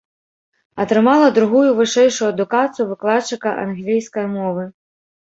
Атрымала другую вышэйшую адукацыю выкладчыка англійскай мовы.